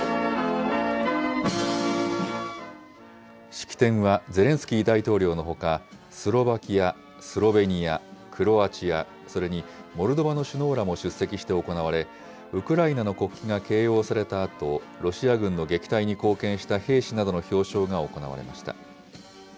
式典はゼレンスキー大統領のほか、スロバキア、スロベニア、クロアチア、それにモルドバの首脳らも出席して行われ、ウクライナの国旗が掲揚されたあと、ロシア軍の撃退に貢献した兵士などの表彰が行われました。